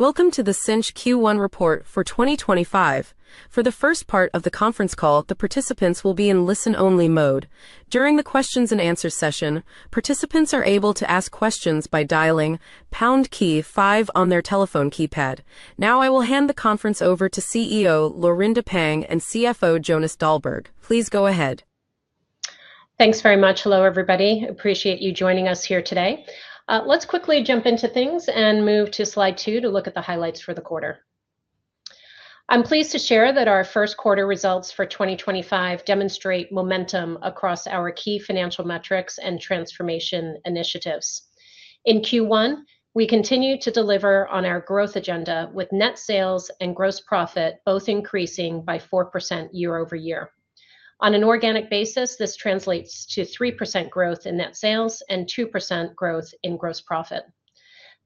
Welcome to the Sinch Q1 report for 2025. For the first part of the conference call, the participants will be in listen-only mode. During the Q&A session, participants are able to ask questions by dialing pound key 5 on their telephone keypad. Now, I will hand the conference over to CEO Laurinda Pang and CFO Jonas Dahlberg. Please go ahead. Thanks very much. Hello, everybody. Appreciate you joining us here today. Let's quickly jump into things and move to slide two to look at the highlights for the quarter. I'm pleased to share that our first quarter results for 2025 demonstrate momentum across our key financial metrics and transformation initiatives. In Q1, we continue to deliver on our growth agenda, with net sales and gross profit both increasing by 4% year-over-year. On an organic basis, this translates to 3% growth in net sales and 2% growth in gross profit.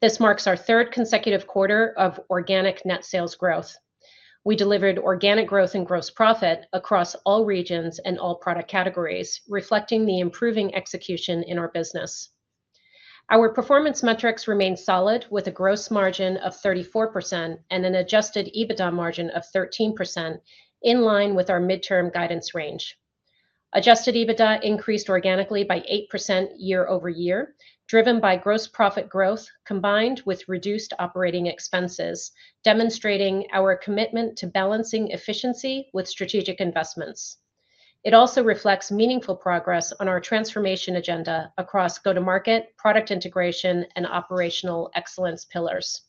This marks our third consecutive quarter of organic net sales growth. We delivered organic growth in gross profit across all regions and all product categories, reflecting the improving execution in our business. Our performance metrics remain solid, with a gross margin of 34% and an Adjusted EBITDA margin of 13%, in line with our midterm guidance range. Adjusted EBITDA increased organically by 8% year-over-year, driven by gross profit growth combined with reduced operating expenses, demonstrating our commitment to balancing efficiency with strategic investments. It also reflects meaningful progress on our transformation agenda across go-to-market, product integration, and operational excellence pillars.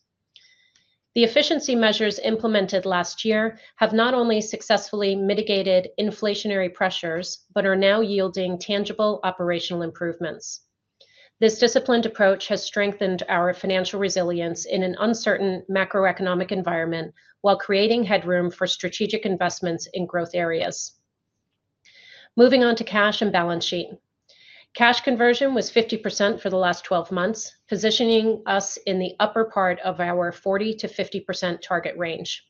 The efficiency measures implemented last year have not only successfully mitigated inflationary pressures but are now yielding tangible operational improvements. This disciplined approach has strengthened our financial resilience in an uncertain macroeconomic environment while creating headroom for strategic investments in growth areas. Moving on to cash and balance sheet. Cash conversion was 50% for the last 12 months, positioning us in the upper part of our 40%-50% target range.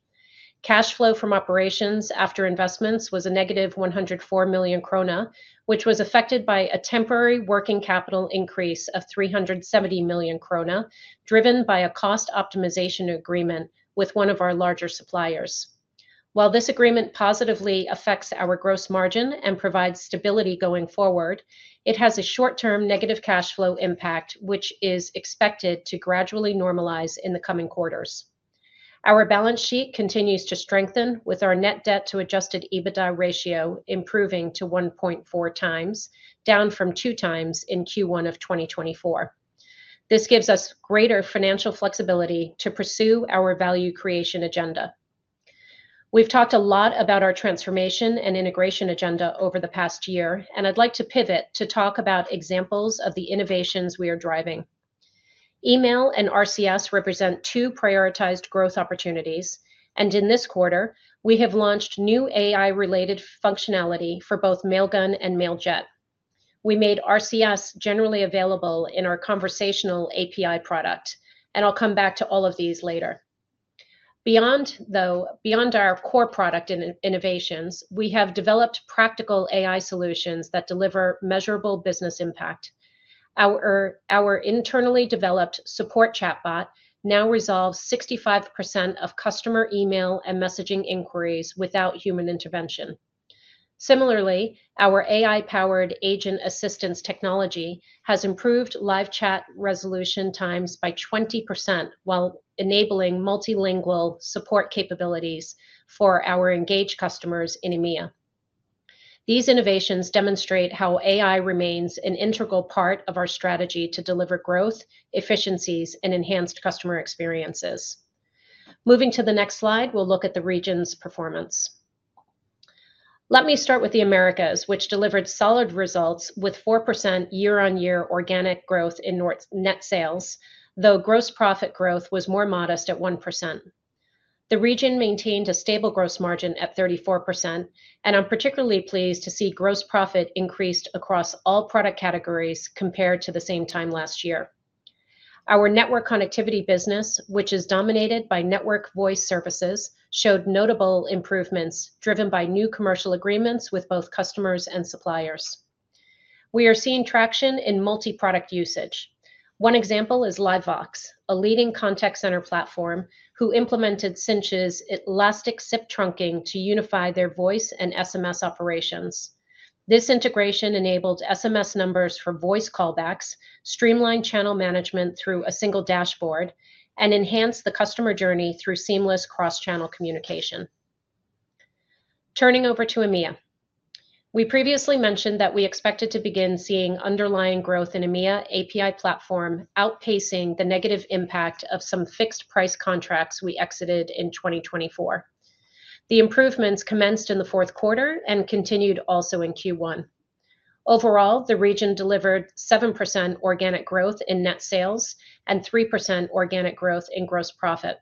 Cash flow from operations after investments was a -104 million krona, which was affected by a temporary working capital increase of 370 million krona, driven by a cost optimization agreement with one of our larger suppliers. While this agreement positively affects our gross margin and provides stability going forward, it has a short-term negative cash flow impact, which is expected to gradually normalize in the coming quarters. Our balance sheet continues to strengthen, with our net debt-to-Adjusted EBITDA ratio improving to 1.4x, down from 2x in Q1 of 2024. This gives us greater financial flexibility to pursue our value creation agenda. We've talked a lot about our transformation and integration agenda over the past year, and I'd like to pivot to talk about examples of the innovations we are driving. Email and RCS represent two prioritized growth opportunities, and in this quarter, we have launched new AI-related functionality for both Mailgun and Mailjet. We made RCS generally available in our Conversational API product, and I'll come back to all of these later. Beyond our core product innovations, we have developed practical AI solutions that deliver measurable business impact. Our internally developed support chatbot now resolves 65% of customer email and messaging inquiries without human intervention. Similarly, our AI-powered agent assistance technology has improved live chat resolution times by 20% while enabling multilingual support capabilities for our engaged customers in EMEA. These innovations demonstrate how AI remains an integral part of our strategy to deliver growth, efficiencies, and enhanced customer experiences. Moving to the next slide, we'll look at the region's performance. Let me start with the Americas, which delivered solid results with 4% year-on-year organic growth in net sales, though gross profit growth was more modest at 1%. The region maintained a stable gross margin at 34%, and I'm particularly pleased to see gross profit increased across all product categories compared to the same time last year. Our network connectivity business, which is dominated by network voice services, showed notable improvements driven by new commercial agreements with both customers and suppliers. We are seeing traction in multi-product usage. One example is LiveVox, a leading contact center platform who implemented Sinch's Elastic SIP Trunking to unify their voice and SMS operations. This integration enabled SMS numbers for voice callbacks, streamlined channel management through a single dashboard, and enhanced the customer journey through seamless cross-channel communication. Turning over to EMEA, we previously mentioned that we expected to begin seeing underlying growth in EMEA API-platform outpacing the negative impact of some fixed-price contracts we exited in 2024. The improvements commenced in the fourth quarter and continued also in Q1. Overall, the region delivered 7% organic growth in net sales and 3% organic growth in gross profit.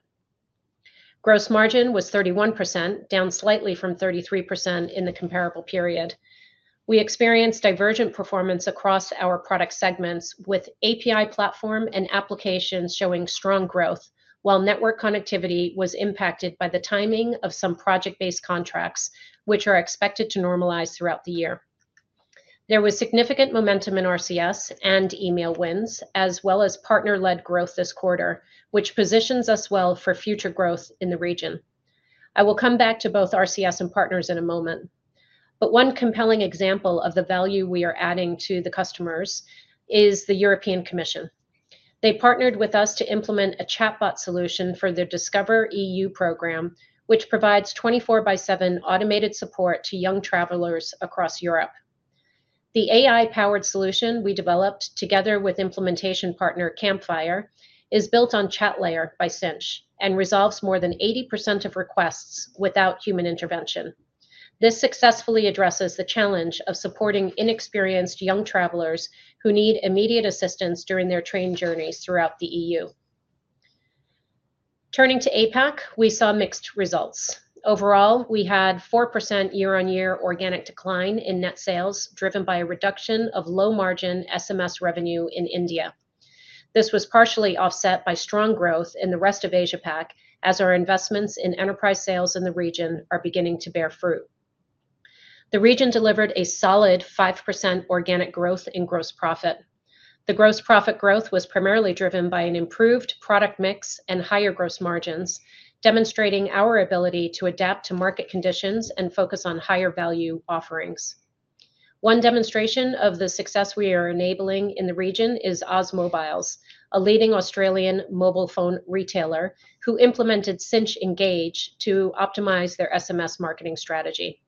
Gross margin was 31%, down slightly from 33% in the comparable period. We experienced divergent performance across our product segments, with API-platform and Applications showing strong growth, while network connectivity was impacted by the timing of some project-based contracts, which are expected to normalize throughout the year. There was significant momentum in RCS and email wins, as well as partner-led growth this quarter, which positions us well for future growth in the region. I will come back to both RCS and partners in a moment. One compelling example of the value we are adding to the customers is the European Commission. They partnered with us to implement a chatbot solution for the DiscoverEU program, which provides 24/7 automated support to young travelers across Europe. The AI-powered solution we developed together with implementation partner Campfire is built on ChatLayer by Sinch and resolves more than 80% of requests without human intervention. This successfully addresses the challenge of supporting inexperienced young travelers who need immediate assistance during their train journeys throughout the EU. Turning to APAC, we saw mixed results. Overall, we had 4% year-on-year organic decline in net sales, driven by a reduction of low-margin SMS revenue in India. This was partially offset by strong growth in the rest of Asia-Pac, as our investments in enterprise sales in the region are beginning to bear fruit. The region delivered a solid 5% organic growth in gross profit. The gross profit growth was primarily driven by an improved product mix and higher gross margins, demonstrating our ability to adapt to market conditions and focus on higher value offerings. One demonstration of the success we are enabling in the region is OzMobiles, a leading Australian mobile phone retailer who implemented Sinch Engage to optimize their SMS marketing strategy.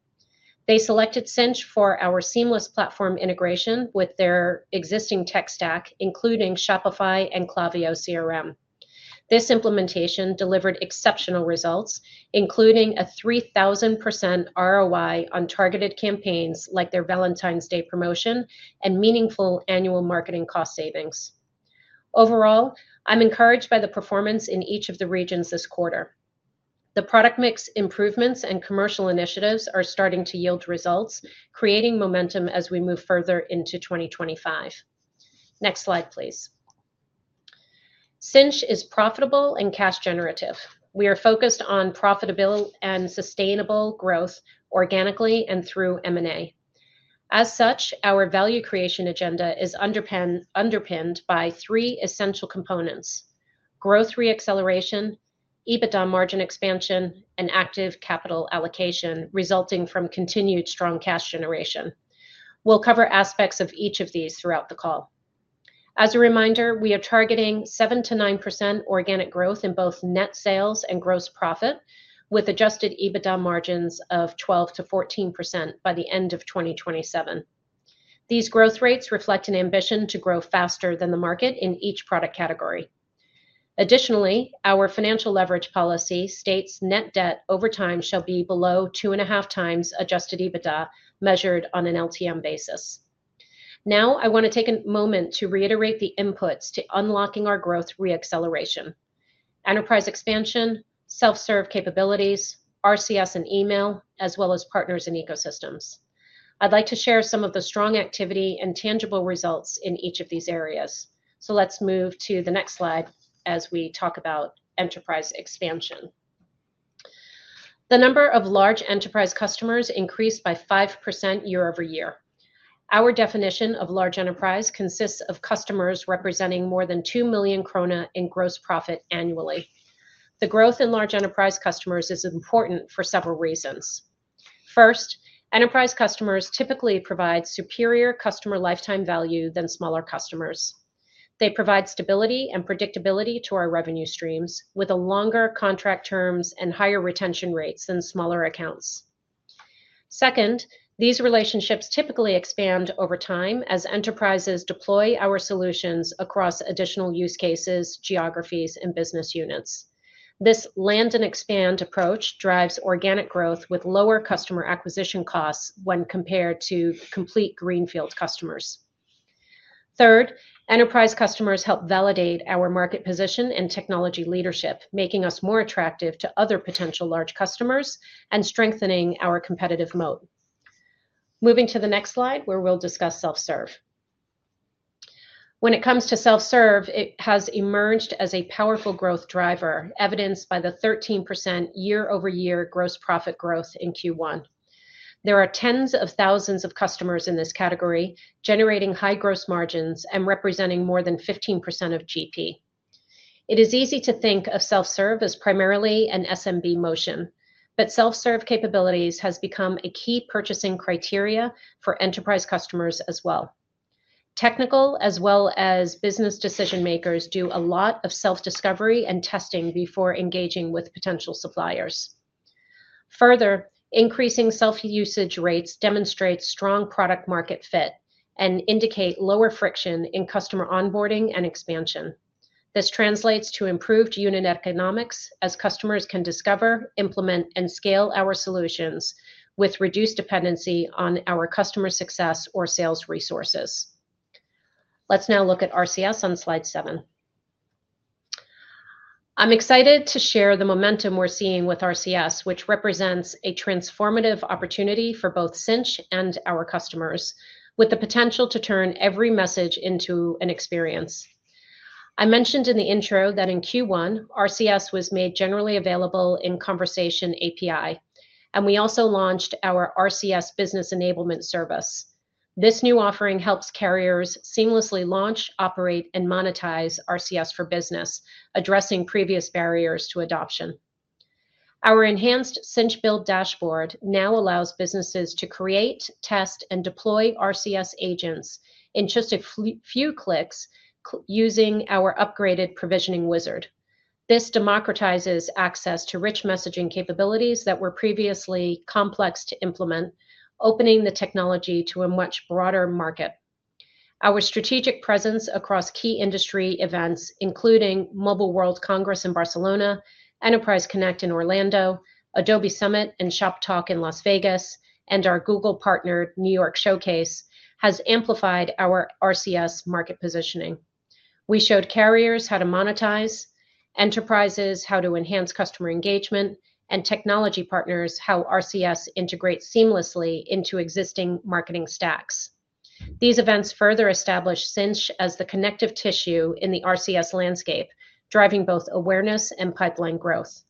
They selected Sinch for our seamless platform integration with their existing tech stack, including Shopify and Klaviyo CRM. This implementation delivered exceptional results, including a 3,000% ROI on targeted campaigns like their Valentine's Day promotion and meaningful annual marketing cost savings. Overall, I'm encouraged by the performance in each of the regions this quarter. The product mix improvements and commercial initiatives are starting to yield results, creating momentum as we move further into 2025. Next slide, please. Sinch is profitable and cash-generative. We are focused on profitable and sustainable growth organically and through M&A. As such, our value creation agenda is underpinned by three essential components: growth re-acceleration, EBITDA margin expansion, and active capital allocation resulting from continued strong cash generation. We'll cover aspects of each of these throughout the call. As a reminder, we are targeting 7%-9% organic growth in both net sales and gross profit, with Adjusted EBITDA margins of 12%-14% by the end of 2027. These growth rates reflect an ambition to grow faster than the market in each product category. Additionally, our financial leverage policy states net debt over time shall be below 2.5x Adjusted EBITDA measured on an LTM basis. Now, I want to take a moment to reiterate the inputs to unlocking our growth re-acceleration: enterprise expansion, self-serve capabilities, RCS and email, as well as partners and ecosystems. I'd like to share some of the strong activity and tangible results in each of these areas. Let's move to the next slide as we talk about enterprise expansion. The number of large enterprise customers increased by 5% year-over-year. Our definition of large enterprise consists of customers representing more than 2 million krona in gross profit annually. The growth in large enterprise customers is important for several reasons. First, enterprise customers typically provide superior customer lifetime value than smaller customers. They provide stability and predictability to our revenue streams with longer contract terms and higher retention rates than smaller accounts. Second, these relationships typically expand over time as enterprises deploy our solutions across additional use cases, geographies, and business units. This land-and-expand approach drives organic growth with lower customer acquisition costs when compared to complete greenfield customers. Third, enterprise customers help validate our market position and technology leadership, making us more attractive to other potential large customers and strengthening our competitive moat. Moving to the next slide, where we'll discuss self-serve. When it comes to self-serve, it has emerged as a powerful growth driver, evidenced by the 13% year-over-year gross profit growth in Q1. There are tens of thousands of customers in this category, generating high gross margins and representing more than 15% of GP. It is easy to think of self-serve as primarily an SMB motion, but self-serve capabilities have become a key purchasing criteria for enterprise customers as well. Technical as well as business decision-makers do a lot of self-discovery and testing before engaging with potential suppliers. Further, increasing self-usage rates demonstrate strong product-market fit and indicate lower friction in customer onboarding and expansion. This translates to improved unit economics, as customers can discover, implement, and scale our solutions with reduced dependency on our customer success or sales resources. Let's now look at RCS on slide seven. I'm excited to share the momentum we're seeing with RCS, which represents a transformative opportunity for both Sinch and our customers, with the potential to turn every message into an experience. I mentioned in the intro that in Q1, RCS was made generally available in Conversation API, and we also launched our RCS Business Enablement Service. This new offering helps carriers seamlessly launch, operate, and monetize RCS for business, addressing previous barriers to adoption. Our enhanced Sinch Build dashboard now allows businesses to create, test, and deploy RCS agents in just a few clicks using our upgraded provisioning wizard. This democratizes access to rich messaging capabilities that were previously complex to implement, opening the technology to a much broader market. Our strategic presence across key industry events, including Mobile World Congress in Barcelona, Enterprise Connect in Orlando, Adobe Summit and Shoptalk in Las Vegas, and our Google Partner New York Showcase, has amplified our RCS market positioning. We showed carriers how to monetize, enterprises how to enhance customer engagement, and technology partners how RCS integrates seamlessly into existing marketing stacks. These events further established Sinch as the connective tissue in the RCS landscape, driving both awareness and pipeline growth.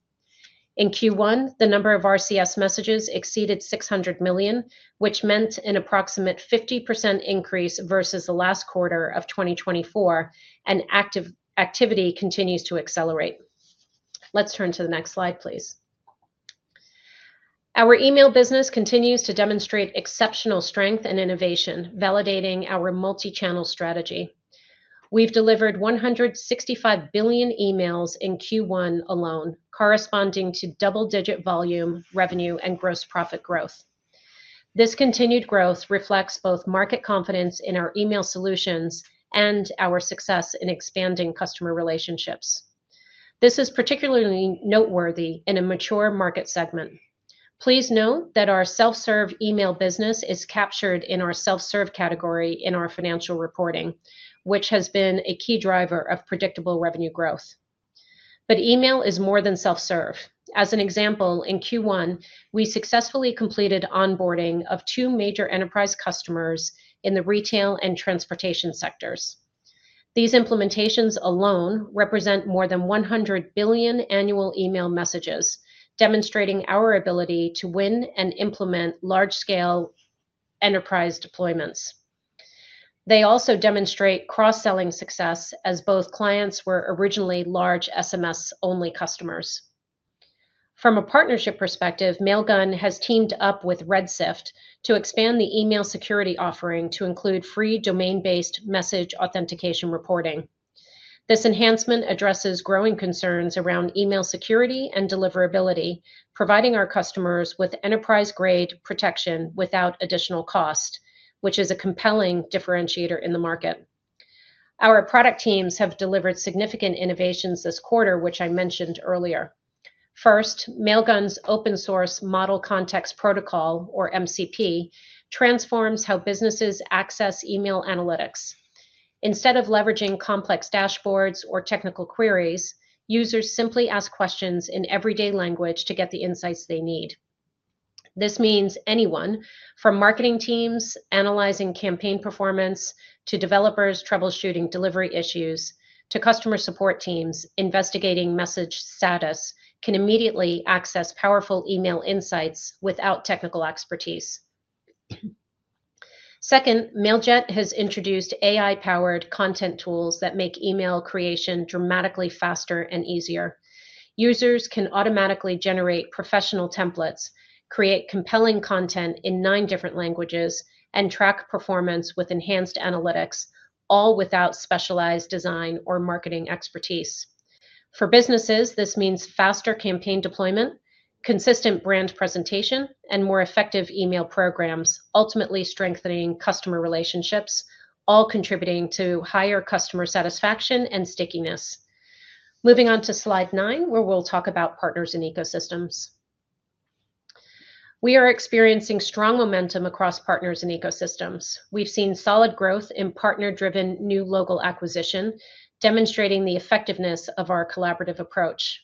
In Q1, the number of RCS messages exceeded 600 million, which meant an approximate 50% increase versus the last quarter of 2024, and activity continues to accelerate. Let's turn to the next slide, please. Our email business continues to demonstrate exceptional strength and innovation, validating our multi-channel strategy. We've delivered 165 billion emails in Q1 alone, corresponding to double-digit volume, revenue, and gross profit growth. This continued growth reflects both market confidence in our email solutions and our success in expanding customer relationships. This is particularly noteworthy in a mature market segment. Please note that our self-serve email business is captured in our self-serve category in our financial reporting, which has been a key driver of predictable revenue growth. Email is more than self-serve. As an example, in Q1, we successfully completed onboarding of two major enterprise customers in the retail and transportation sectors. These implementations alone represent more than 100 billion annual email messages, demonstrating our ability to win and implement large-scale enterprise deployments. They also demonstrate cross-selling success, as both clients were originally large SMS-only customers. From a partnership perspective, Mailgun has teamed up with RedSift to expand the email security offering to include free domain-based message authentication reporting. This enhancement addresses growing concerns around email security and deliverability, providing our customers with enterprise-grade protection without additional cost, which is a compelling differentiator in the market. Our product teams have delivered significant innovations this quarter, which I mentioned earlier. First, Mailgun's open-source Model Context Protocol, or MCP, transforms how businesses access email analytics. Instead of leveraging complex dashboards or technical queries, users simply ask questions in everyday language to get the insights they need. This means anyone, from marketing teams analyzing campaign performance to developers troubleshooting delivery issues to customer support teams investigating message status, can immediately access powerful email insights without technical expertise. Second, Mailjet has introduced AI-powered content tools that make email creation dramatically faster and easier. Users can automatically generate professional templates, create compelling content in nine different languages, and track performance with enhanced analytics, all without specialized design or marketing expertise. For businesses, this means faster campaign deployment, consistent brand presentation, and more effective email programs, ultimately strengthening customer relationships, all contributing to higher customer satisfaction and stickiness. Moving on to slide nine, where we'll talk about partners and ecosystems. We are experiencing strong momentum across partners and ecosystems. We've seen solid growth in partner-driven new local acquisition, demonstrating the effectiveness of our collaborative approach.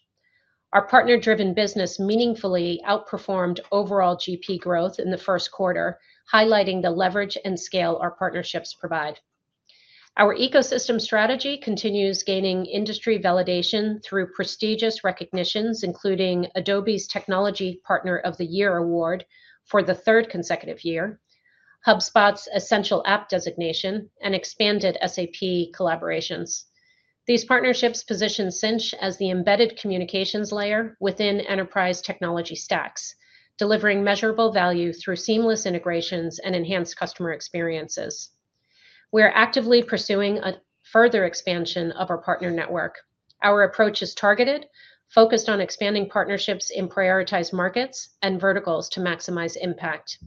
Our partner-driven business meaningfully outperformed overall GP growth in the first quarter, highlighting the leverage and scale our partnerships provide. Our ecosystem strategy continues gaining industry validation through prestigious recognitions, including Adobe's Technology Partner of the Year award for the third consecutive year, HubSpot's Essential App designation, and expanded SAP collaborations. These partnerships position Sinch as the embedded communications layer within enterprise technology stacks, delivering measurable value through seamless integrations and enhanced customer experiences. We are actively pursuing a further expansion of our partner network. Our approach is targeted, focused on expanding partnerships in prioritized markets and verticals to maximize impact.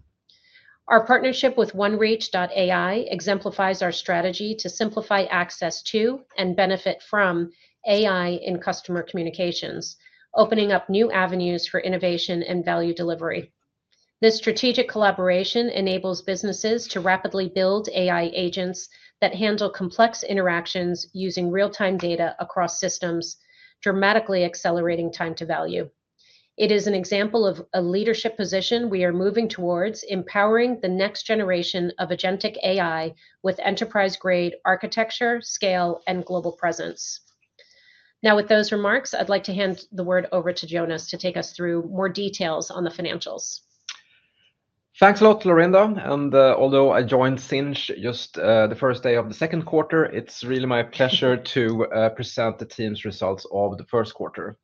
Our partnership with OneReach.ai exemplifies our strategy to simplify access to and benefit from AI in customer communications, opening up new avenues for innovation and value delivery. This strategic collaboration enables businesses to rapidly build AI agents that handle complex interactions using real-time data across systems, dramatically accelerating time to value. It is an example of a leadership position we are moving towards, empowering the next generation of agentic AI with enterprise-grade architecture, scale, and global presence. Now, with those remarks, I'd like to hand the word over to Jonas to take us through more details on the financials. Thanks a lot, Laurinda. Although I joined Sinch just the first day of the second quarter, it's really my pleasure to present the team's results of the first quarter.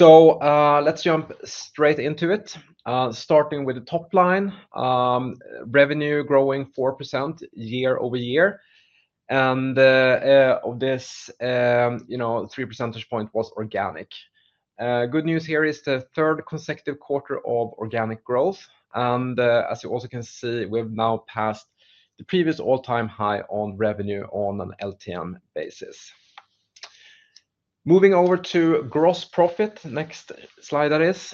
Let's jump straight into it, starting with the top line. Revenue growing 4% year-over-year. Of this, you know, 3 percentage points was organic. Good news here is the third consecutive quarter of organic growth. As you also can see, we've now passed the previous all-time high on revenue on an LTM basis. Moving over to gross profit, next slide that is.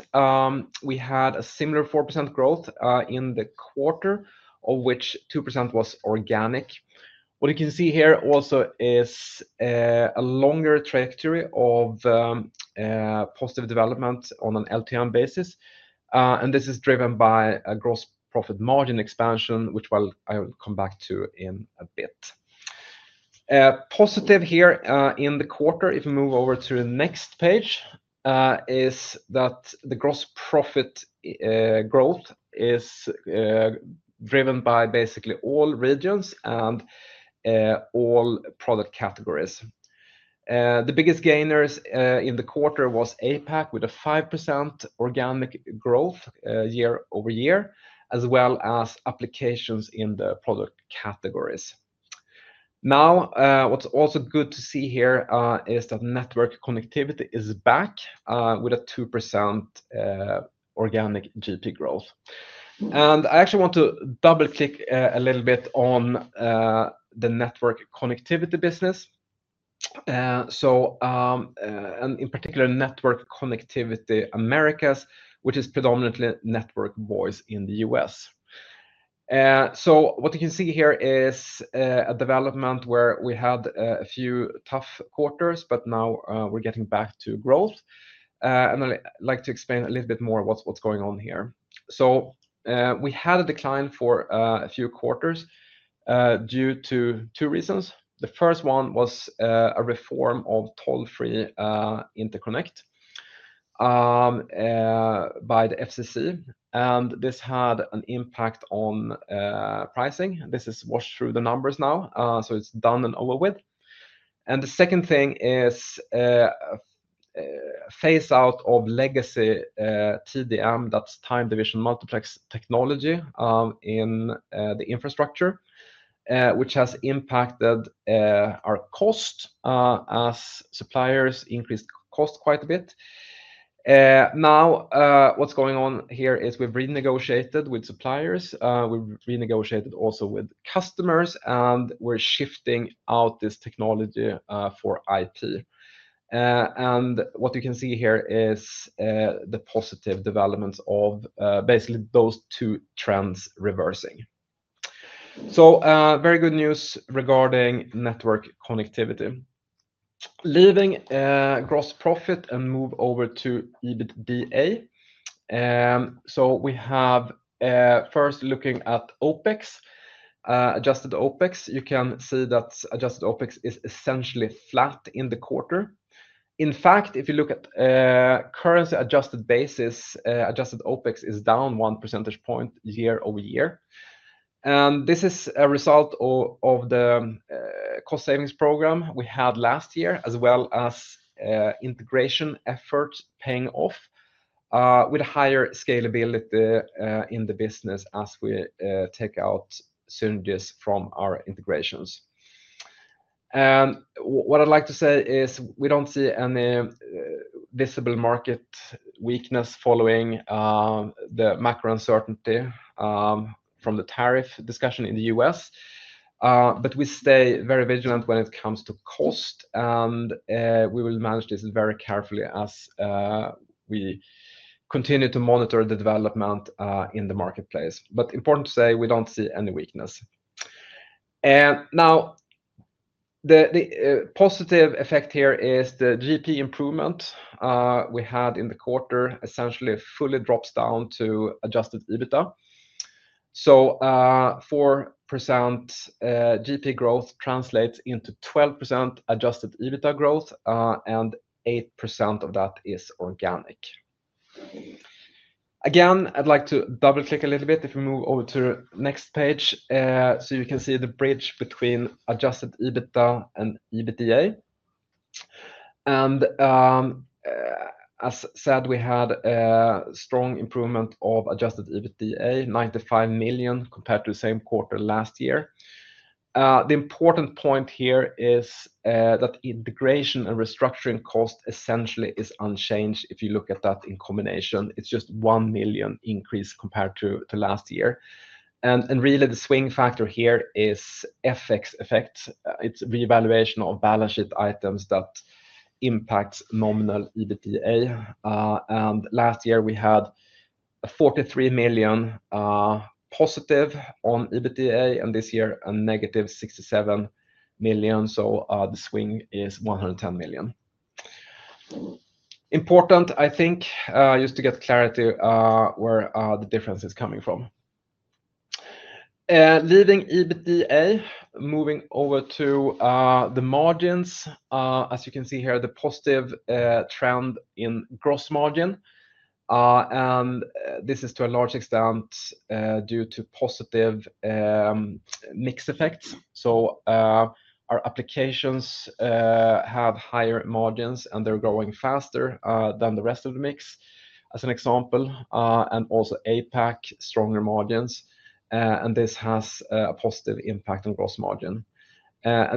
We had a similar 4% growth in the quarter, of which 2% was organic. What you can see here also is a longer trajectory of positive development on an LTM basis. This is driven by a gross profit margin expansion, which I will come back to in a bit. Positive here in the quarter, if we move over to the next page, is that the gross profit growth is driven by basically all regions and all product categories. The biggest gainers in the quarter was APAC with a 5% organic growth year-over-year, as well as applications in the product categories. Now, what's also good to see here is that network connectivity is back with a 2% organic GP growth. I actually want to double-click a little bit on the network connectivity business. In particular, network connectivity Americas, which is predominantly network voice in the U.S.. What you can see here is a development where we had a few tough quarters, but now we're getting back to growth. I'd like to explain a little bit more what's going on here. We had a decline for a few quarters due to two reasons. The first one was a reform of toll-free interconnect by the FCC. This had an impact on pricing. This is washed through the numbers now, so it's done and over with. The second thing is phase-out of legacy TDM, that's Time Division Multiplex Technology in the infrastructure, which has impacted our cost as suppliers increased cost quite a bit. Now, what's going on here is we've renegotiated with suppliers. We've renegotiated also with customers, and we're shifting out this technology for IP. What you can see here is the positive developments of basically those two trends reversing. Very good news regarding network connectivity. Leaving gross profit and move over to EBITDA. We have first looking at OpEx, adjusted OpEx. You can see that adjusted OpEx is essentially flat in the quarter. In fact, if you look at currency-adjusted basis, Adjusted OpEx is down one percentage point year-over-year. This is a result of the cost savings program we had last year, as well as integration efforts paying off with a higher scalability in the business as we take out Synergis from our integrations. What I'd like to say is we do not see any visible market weakness following the macro uncertainty from the tariff discussion in the US. We stay very vigilant when it comes to cost, and we will manage this very carefully as we continue to monitor the development in the marketplace. Important to say, we do not see any weakness. The positive effect here is the GP improvement we had in the quarter essentially fully drops down to Adjusted EBITDA. Four percent GP growth translates into 12% Adjusted EBITDA growth, and 8% of that is organic. Again, I'd like to double-click a little bit if we move over to the next page so you can see the bridge between Adjusted EBITDA and EBITDA. As said, we had a strong improvement of Adjusted EBITDA, 95 million compared to the same quarter last year. The important point here is that integration and restructuring cost essentially is unchanged if you look at that in combination. It's just 1 million increase compared to last year. Really, the swing factor here is FX effects. It's reevaluation of balance sheet items that impacts nominal EBITDA. Last year, we had 43 million+ on EBITDA, and this year a -67 million. The swing is 110 million. Important, I think, just to get clarity where the difference is coming from. Leaving EBITDA, moving over to the margins. As you can see here, the positive trend in gross margin. This is to a large extent due to positive mix effects. Our applications have higher margins, and they're growing faster than the rest of the mix, as an example, and also APAC, stronger margins. This has a positive impact on gross margin.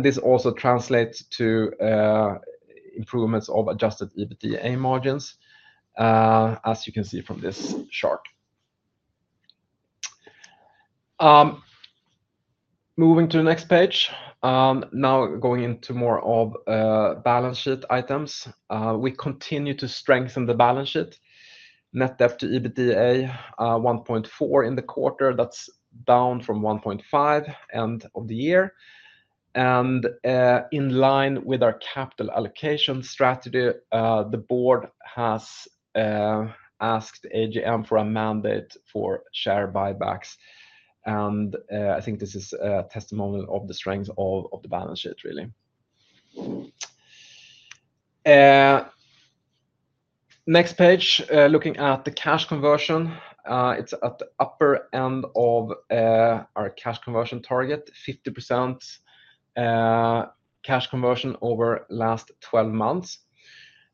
This also translates to improvements of Adjusted EBITDA margins, as you can see from this chart. Moving to the next page, now going into more of balance sheet items. We continue to strengthen the balance sheet. Net debt to EBITDA 1.4 in the quarter, that's down from 1.5 end of the year. In line with our capital allocation strategy, the board has asked AGM for a mandate for share buybacks. I think this is a testimonial of the strength of the balance sheet, really. Next page, looking at the cash conversion. It's at the upper end of our cash conversion target, 50% cash conversion over the last 12 months.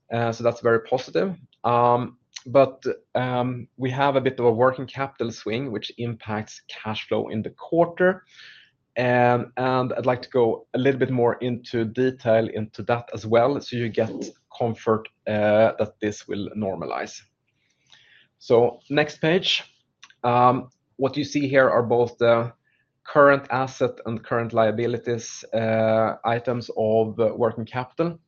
That's very positive. We have a bit of a working capital swing, which impacts cash flow in the quarter. I'd like to go a little bit more into detail into that as well, so you get comfort that this will normalize. Next page. What you see here are both the current asset and current liabilities items of working capital.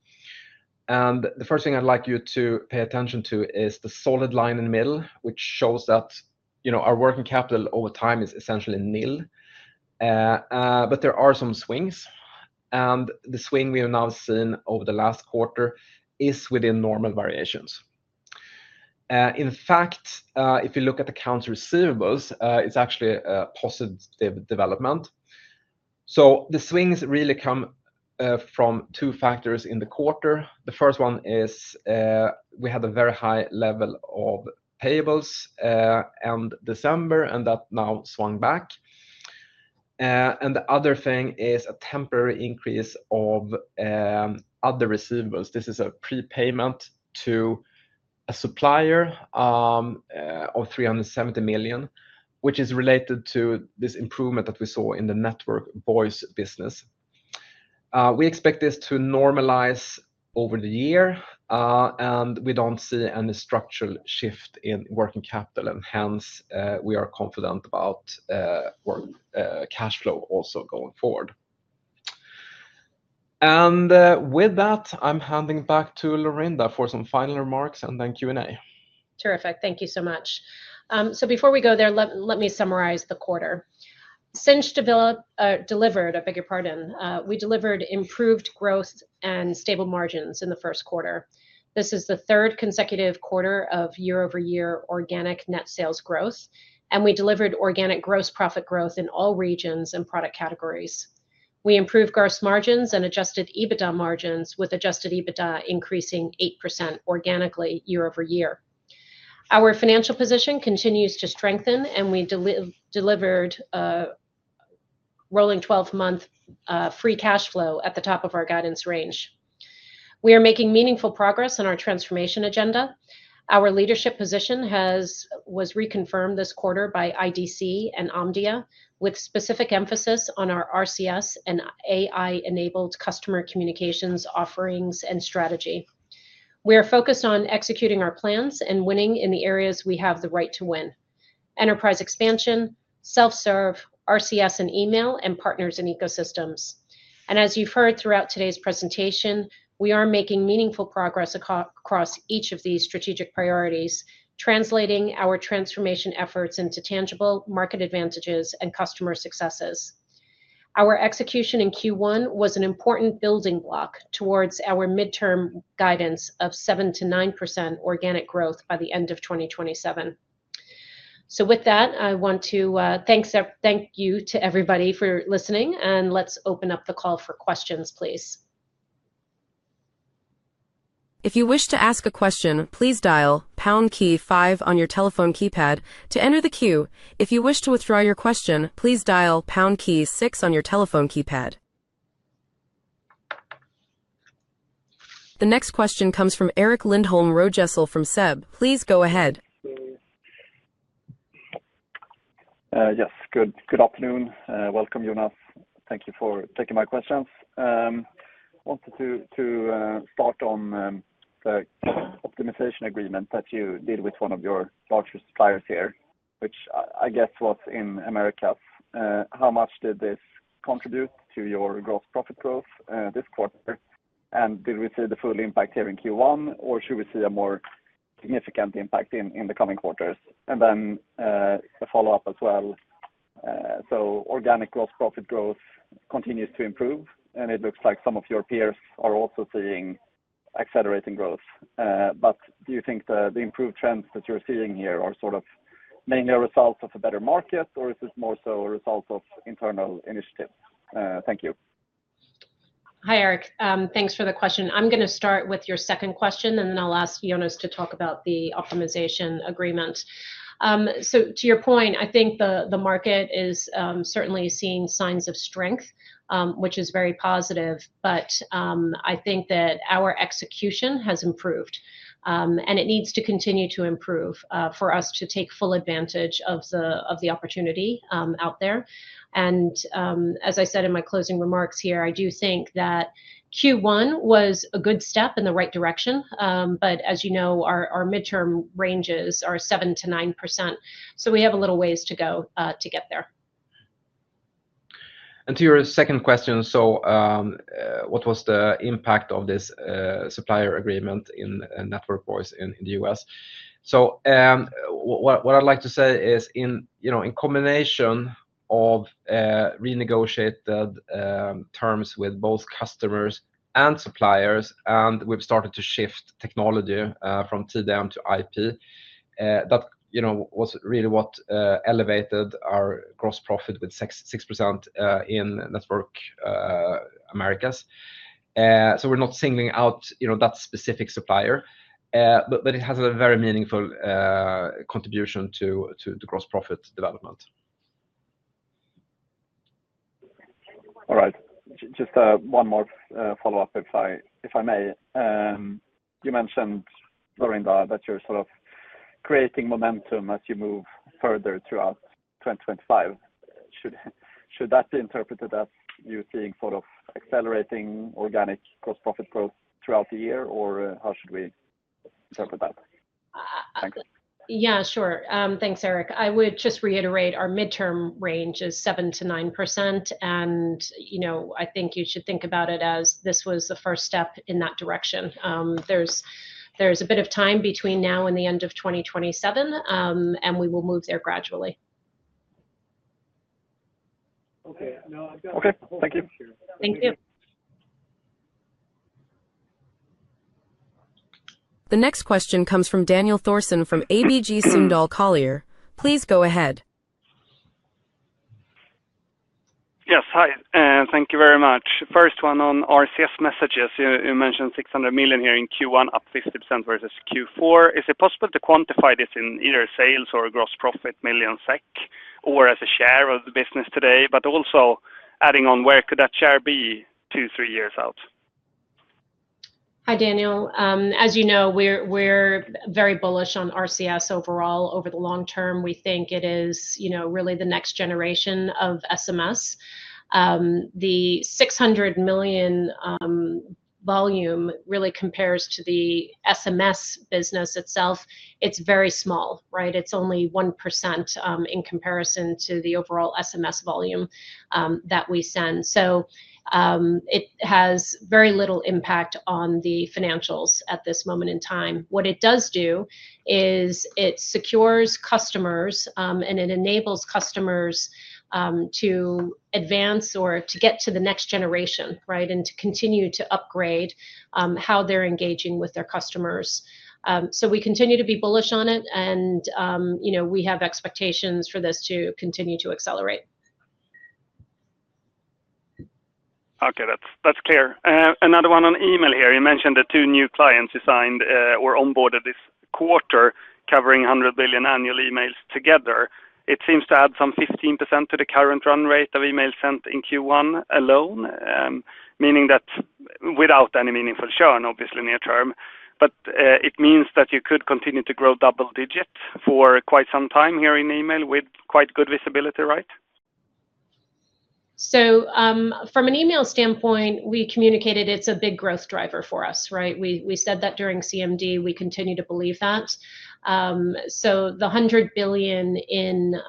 The first thing I'd like you to pay attention to is the solid line in the middle, which shows that our working capital over time is essentially nil. There are some swings. The swing we have now seen over the last quarter is within normal variations. In fact, if you look at the counter receivables, it's actually a positive development. The swings really come from two factors in the quarter. The first one is we had a very high level of payables end December, and that now swung back. The other thing is a temporary increase of other receivables. This is a prepayment to a supplier of 370 million, which is related to this improvement that we saw in the network voice business. We expect this to normalize over the year, and we do not see any structural shift in working capital, and hence we are confident about cash flow also going forward. With that, I am handing back to Laurinda for some final remarks and then Q&A. Terrific. Thank you so much. Before we go there, let me summarize the quarter. Sinch delivered—bigger pardon. We delivered improved growth and stable margins in the first quarter. This is the third consecutive quarter of year-over-year organic net sales growth, and we delivered organic gross profit growth in all regions and product categories. We improved gross margins and Adjusted EBITDA margins with Adjusted EBITDA increasing 8% organically year-over-year. Our financial position continues to strengthen, and we delivered rolling 12-month Free Cash Flow at the top of our guidance range. We are making meaningful progress in our transformation agenda. Our leadership position was reconfirmed this quarter by IDC and Omdia, with specific emphasis on our RCS and AI-enabled customer communications offerings and strategy. We are focused on executing our plans and winning in the areas we have the right to win: enterprise expansion, self-serve, RCS and email, and partners and ecosystems. As you have heard throughout today's presentation, we are making meaningful progress across each of these strategic priorities, translating our transformation efforts into tangible market advantages and customer successes. Our execution in Q1 was an important building block towards our midterm guidance of 7%-9% organic growth by the end of 2027. With that, I want to thank everybody for listening, and let's open up the call for questions, please. If you wish to ask a question, please dial pound key five on your telephone keypad to enter the queue. If you wish to withdraw your question, please dial pound key six on your telephone keypad. The next question comes from Erik Rogestål from SEB. Please go ahead. Yes. Good afternoon. Welcome, Jonas. Thank you for taking my questions. I wanted to start on the optimization agreement that you did with one of your larger suppliers here, which I guess was in Americas. How much did this contribute to your gross profit growth this quarter? Did we see the full impact here in Q1, or should we see a more significant impact in the coming quarters? I have a follow-up as well. Organic gross profit growth continues to improve, and it looks like some of your peers are also seeing accelerating growth. Do you think the improved trends that you're seeing here are mainly a result of a better market, or is it more so a result of internal initiatives? Thank you. Hi, Erik. Thanks for the question. I'm going to start with your second question, and then I'll ask Jonas to talk about the optimization agreement. To your point, I think the market is certainly seeing signs of strength, which is very positive. I think that our execution has improved, and it needs to continue to improve for us to take full advantage of the opportunity out there. As I said in my closing remarks here, I do think that Q1 was a good step in the right direction. As you know, our midterm ranges are 7%-9%. We have a little ways to go to get there. To your second question, what was the impact of this supplier agreement in network voice in the U.S.? What I'd like to say is in combination of renegotiated terms with both customers and suppliers, and we've started to shift technology from TDM to IP, that was really what elevated our gross profit with 6% in network Americas. We're not singling out that specific supplier, but it has a very meaningful contribution to the gross profit development. All right. Just one more follow-up, if I may. You mentioned, Laurinda, that you're sort of creating momentum as you move further throughout 2025. Should that be interpreted as you seeing sort of accelerating organic gross profit growth throughout the year, or how should we interpret that? Thanks. Yeah, sure. Thanks, Erik. I would just reiterate our midterm range is 7%-9%, and I think you should think about it as this was the first step in that direction. There's a bit of time between now and the end of 2027, and we will move there gradually. Okay. Okay. Thank you. Thank you. The next question comes from Daniel Thorsson from ABG Sundal Collier. Please go ahead. Yes. Hi. Thank you very much. First one on RCS messages. You mentioned 600 million here in Q1, up 50% versus Q4. Is it possible to quantify this in either sales or gross profit million SEK or as a share of the business today, but also adding on where could that share be two, three years out? Hi, Daniel. As you know, we're very bullish on RCS overall. Over the long term, we think it is really the next generation of SMS. The 600 million volume really compares to the SMS business itself. It's very small, right? It's only 1% in comparison to the overall SMS volume that we send. It has very little impact on the financials at this moment in time. What it does do is it secures customers, and it enables customers to advance or to get to the next generation, right, and to continue to upgrade how they're engaging with their customers. We continue to be bullish on it, and we have expectations for this to continue to accelerate. Okay. That's clear. Another one on email here. You mentioned that two new clients you signed or onboarded this quarter covering 100 billion annual emails together. It seems to add some 15% to the current run rate of emails sent in Q1 alone, meaning that without any meaningful churn, obviously near term, but it means that you could continue to grow double digit for quite some time here in email with quite good visibility, right? From an email standpoint, we communicated it's a big growth driver for us, right? We said that during CMD. We continue to believe that. The 100 billion in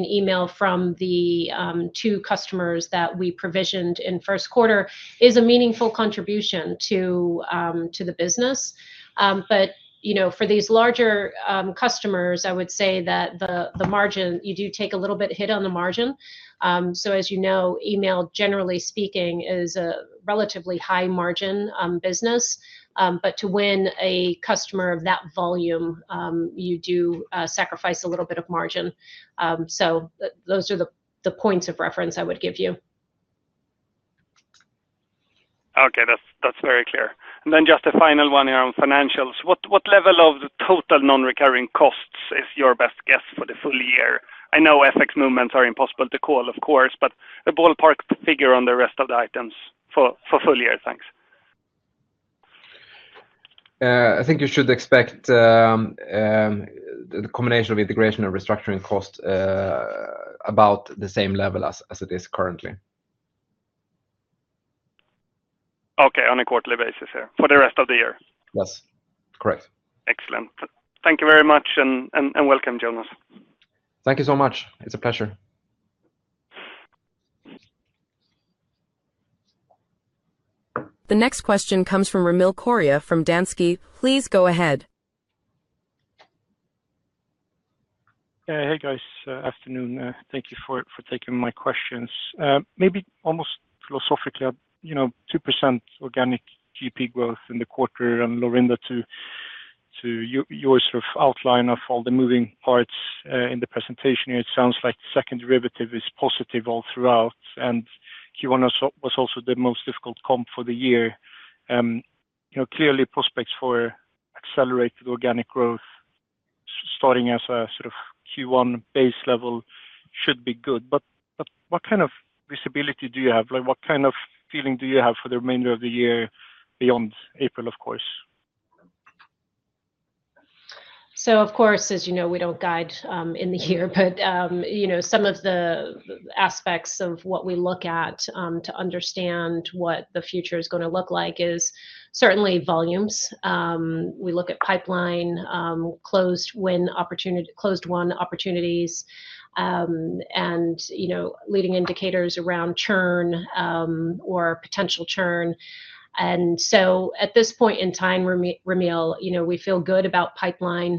email from the two customers that we provisioned in first quarter is a meaningful contribution to the business. For these larger customers, I would say that the margin, you do take a little bit hit on the margin. As you know, email, generally speaking, is a relatively high margin business. To win a customer of that volume, you do sacrifice a little bit of margin. Those are the points of reference I would give you. Okay. That's very clear. Just a final one around financials. What level of total non-recurring costs is your best guess for the full year? I know FX movements are impossible to call, of course, but a ballpark figure on the rest of the items for full year, thanks. I think you should expect the combination of integration and restructuring cost about the same level as it is currently. Okay. On a quarterly basis here for the rest of the year. Yes. Correct. Excellent. Thank you very much and welcome, Jonas. Thank you so much. It's a pleasure. The next question comes from Ramil Koria from Danske. Please go ahead. Hey, guys. Afternoon. Thank you for taking my questions. Maybe almost philosophically, 2% organic GP growth in the quarter and Laurinda, to your sort of outline of all the moving parts in the presentation here, it sounds like second derivative is positive all throughout. Q1 was also the most difficult comp for the year. Clearly, prospects for accelerated organic growth starting as a sort of Q1 base level should be good. What kind of visibility do you have? What kind of feeling do you have for the remainder of the year beyond April, of course? Of course, as you know, we do not guide in the year, but some of the aspects of what we look at to understand what the future is going to look like is certainly volumes. We look at pipeline, closed won opportunities, and leading indicators around churn or potential churn. At this point in time, Ramil, we feel good about pipeline.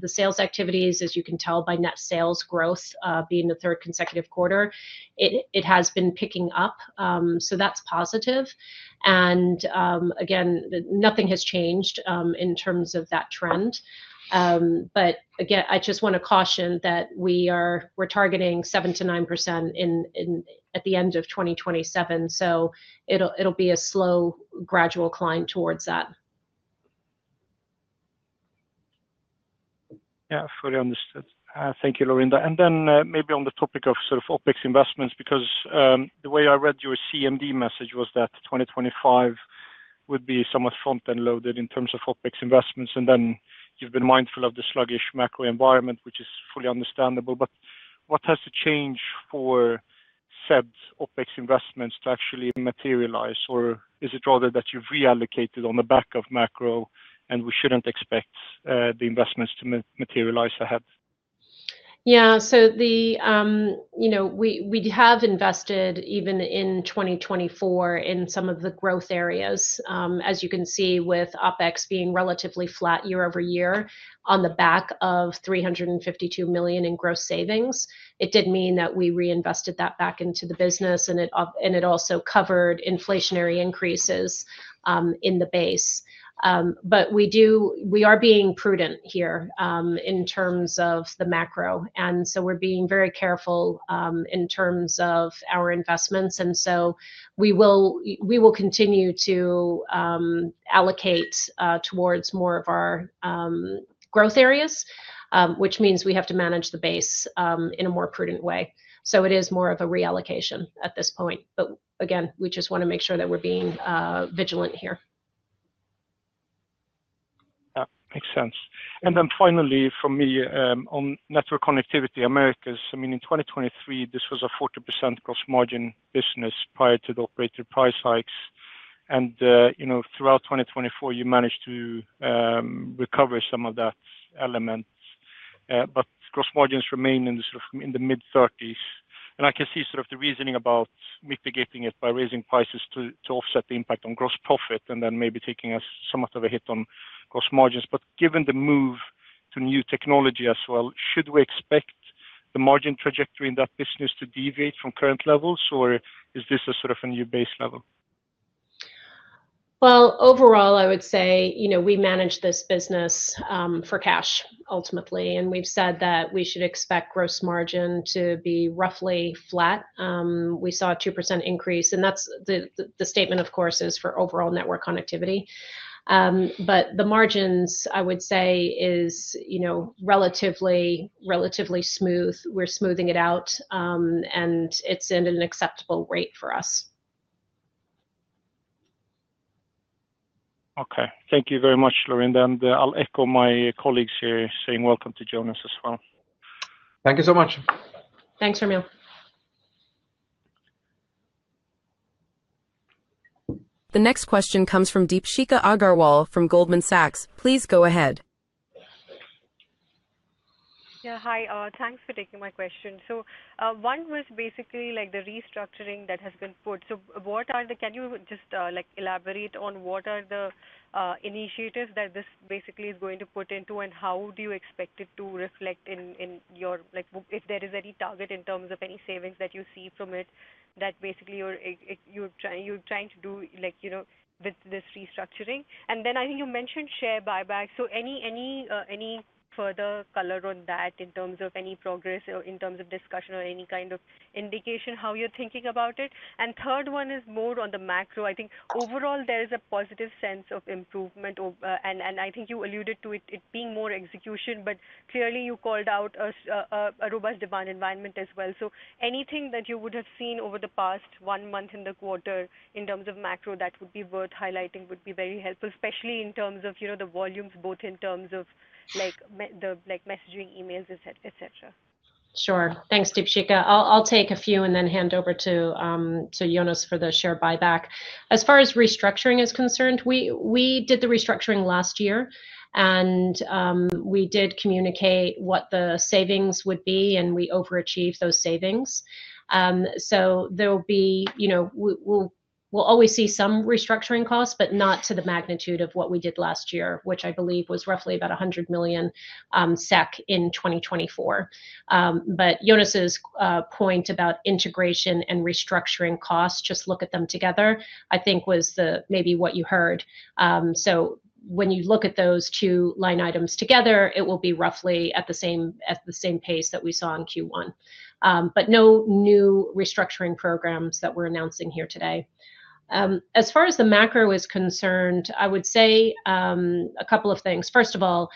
The sales activities, as you can tell by net sales growth being the third consecutive quarter, it has been picking up. That is positive. Nothing has changed in terms of that trend. I just want to caution that we are targeting 7%-9% at the end of 2027. It will be a slow, gradual climb towards that. Yeah. Fully understood. Thank you, Laurinda. Maybe on the topic of sort of OpEx investments, because the way I read your CMD message was that 2025 would be somewhat front-end loaded in terms of OpEx investments. You have been mindful of the sluggish macro environment, which is fully understandable. What has to change for said OpEx investments to actually materialize? Or is it rather that you have reallocated on the back of macro and we should not expect the investments to materialize ahead? Yeah. We have invested even in 2024 in some of the growth areas. As you can see with OpEx being relatively flat year-over-year on the back of 352 million in gross savings, it did mean that we reinvested that back into the business, and it also covered inflationary increases in the base. We are being prudent here in terms of the macro. We are being very careful in terms of our investments. We will continue to allocate towards more of our growth areas, which means we have to manage the base in a more prudent way. It is more of a reallocation at this point. Again, we just want to make sure that we are being vigilant here. Makes sense. Finally, for me, on network connectivity, Americas, I mean, in 2023, this was a 40% gross margin business prior to the operator price hikes. Throughout 2024, you managed to recover some of that element. Gross margins remain in the mid-30%s. I can see sort of the reasoning about mitigating it by raising prices to offset the impact on gross profit and then maybe taking somewhat of a hit on gross margins. Given the move to new technology as well, should we expect the margin trajectory in that business to deviate from current levels, or is this sort of a new base level? Overall, I would say we manage this business for cash ultimately. We have said that we should expect gross margin to be roughly flat. We saw a 2% increase. The statement, of course, is for overall network connectivity. The margins, I would say, are relatively smooth. We are smoothing it out, and it is at an acceptable rate for us. Okay. Thank you very much, Laurinda. I will echo my colleagues here saying welcome to Jonas as well. Thank you so much. Thanks, Ramil. The next question comes from Deepshikha Agarwal from Goldman Sachs. Please go ahead. Yeah. Hi. Thanks for taking my question. One was basically the restructuring that has been put. Can you just elaborate on what are the initiatives that this basically is going to put into, and how do you expect it to reflect in your, if there is any target in terms of any savings that you see from it, that basically you're trying to do with this restructuring? I think you mentioned share buyback. Any further color on that in terms of any progress or in terms of discussion or any kind of indication how you're thinking about it? The third one is more on the macro. I think overall, there is a positive sense of improvement. I think you alluded to it being more execution, but clearly, you called out a robust demand environment as well. Anything that you would have seen over the past one month in the quarter in terms of macro that would be worth highlighting would be very helpful, especially in terms of the volumes, both in terms of the messaging, emails, etc. Sure. Thanks, Deepshikha. I'll take a few and then hand over to Jonas for the share buyback. As far as restructuring is concerned, we did the restructuring last year, and we did communicate what the savings would be, and we overachieved those savings. There will always be some restructuring costs, but not to the magnitude of what we did last year, which I believe was roughly about 100 million SEK in 2024. Jonas's point about integration and restructuring costs, just look at them together, I think was maybe what you heard. When you look at those two line items together, it will be roughly at the same pace that we saw in Q1. No new restructuring programs that we're announcing here today. As far as the macro is concerned, I would say a couple of things. First of all,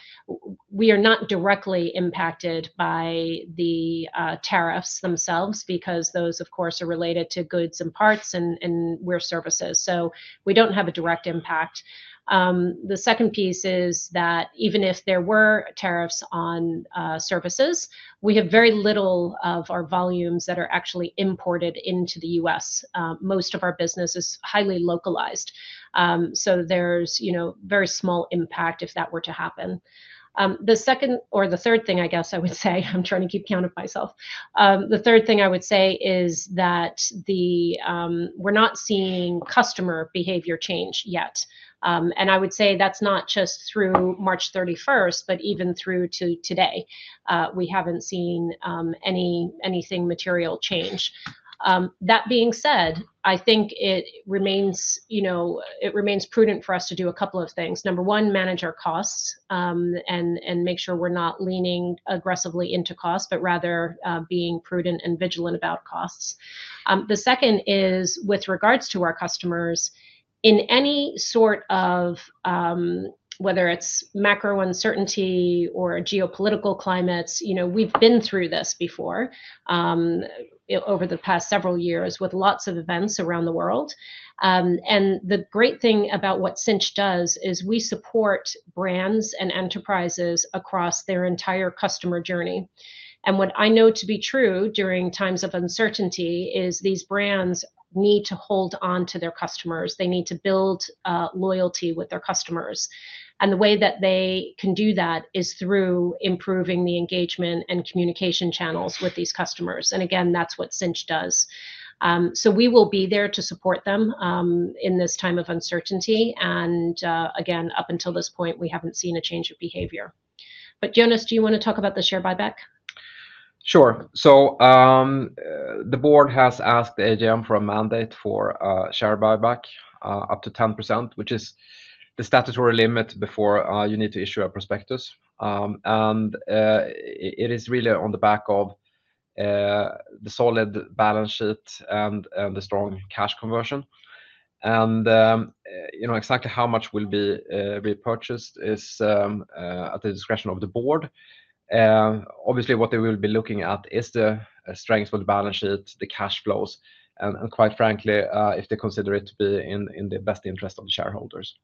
we are not directly impacted by the tariffs themselves because those, of course, are related to goods and parts and where services. We do not have a direct impact. The second piece is that even if there were tariffs on services, we have very little of our volumes that are actually imported into the U.S.. Most of our business is highly localized. There is very small impact if that were to happen. The second or the third thing, I guess I would say, I'm trying to keep count of myself. The third thing I would say is that we're not seeing customer behavior change yet. I would say that's not just through March 31st, but even through today. We haven't seen anything material change. That being said, I think it remains prudent for us to do a couple of things. Number one, manage our costs and make sure we're not leaning aggressively into costs, but rather being prudent and vigilant about costs. The second is with regards to our customers, in any sort of whether it's macro uncertainty or geopolitical climates, we've been through this before over the past several years with lots of events around the world. The great thing about what Sinch does is we support brands and enterprises across their entire customer journey. What I know to be true during times of uncertainty is these brands need to hold on to their customers. They need to build loyalty with their customers. The way that they can do that is through improving the engagement and communication channels with these customers. Again, that's what Sinch does. We will be there to support them in this time of uncertainty. Up until this point, we haven't seen a change of behavior. Jonas, do you want to talk about the share buyback? Sure. The board has asked AGM for a mandate for share buyback up to 10%, which is the statutory limit before you need to issue a prospectus. It is really on the back of the solid balance sheet and the strong cash conversion. Exactly how much will be repurchased is at the discretion of the board. Obviously, what they will be looking at is the strength of the balance sheet, the cash flows, and quite frankly, if they consider it to be in the best interest of the shareholders.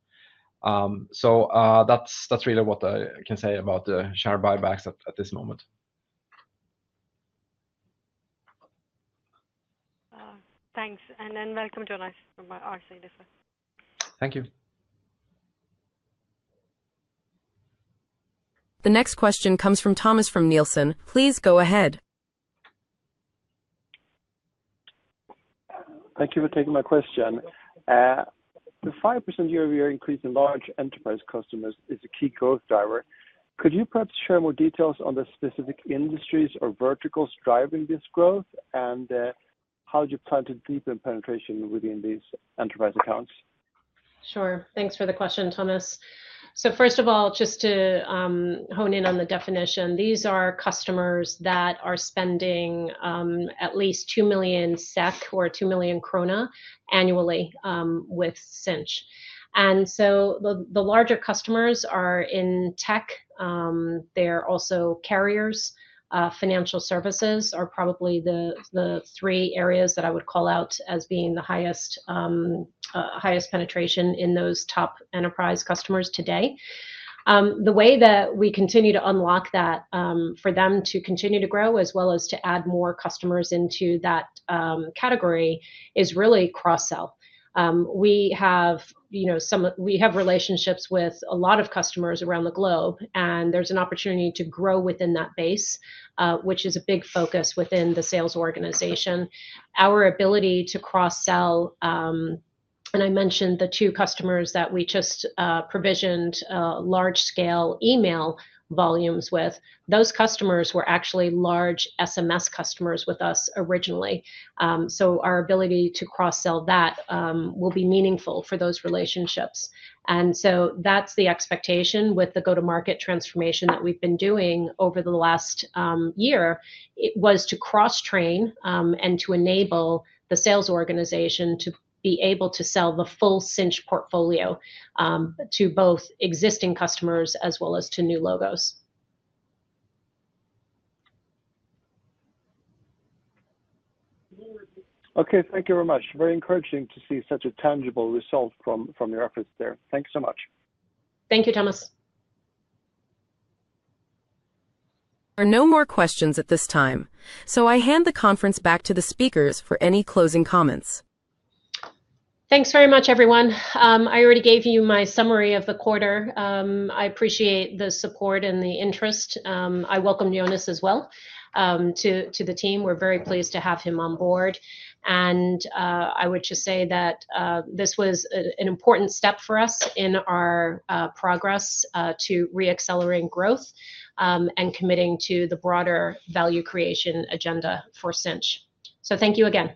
That's really what I can say about the share buybacks at this moment. Thanks. Welcome, Jonas. Thank you. The next question comes from Thomas from Nilsson. Please go ahead. Thank you for taking my question. The 5% year-over-year increase in large enterprise customers is a key growth driver. Could you perhaps share more details on the specific industries or verticals driving this growth, and how do you plan to deepen penetration within these enterprise accounts? Sure. Thanks for the question, Thomas. First of all, just to hone in on the definition, these are customers that are spending at least 2 million SEK or 2 million krona annually with Sinch. The larger customers are in tech. They're also carriers. Financial services are probably the three areas that I would call out as being the highest penetration in those top enterprise customers today. The way that we continue to unlock that for them to continue to grow as well as to add more customers into that category is really cross-sell. We have relationships with a lot of customers around the globe, and there's an opportunity to grow within that base, which is a big focus within the sales organization. Our ability to cross-sell, and I mentioned the two customers that we just provisioned large-scale email volumes with, those customers were actually large SMS customers with us originally. Our ability to cross-sell that will be meaningful for those relationships. That is the expectation with the go-to-market transformation that we have been doing over the last year, to cross-train and to enable the sales organization to be able to sell the full Sinch portfolio to both existing customers as well as to new logos. Okay. Thank you very much. Very encouraging to see such a tangible result from your efforts there. Thank you so much. Thank you, Thomas. There are no more questions at this time. I hand the conference back to the speakers for any closing comments. Thanks very much, everyone. I already gave you my summary of the quarter. I appreciate the support and the interest. I welcome Jonas as well to the team. We are very pleased to have him on board. I would just say that this was an important step for us in our progress to re-accelerate growth and committing to the broader value creation agenda for Sinch. Thank you again.